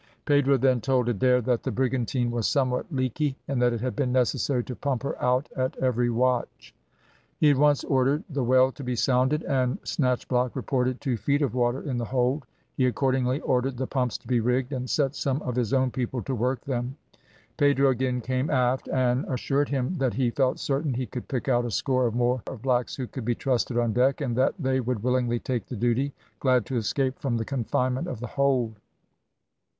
Pedro then told Adair that the brigantine was somewhat leaky, and that it had been necessary to pump her out at every watch. He at once ordered the well to be sounded, and Snatchblock reported "two feet of water in the hold;" he accordingly ordered the pumps to be rigged, and set some of his own people to work them. Pedro again came aft, and assured him that he felt certain he could pick out a score or more of blacks who could be trusted on deck, and that they would willingly take the duty, glad to escape from the confinement of the hold.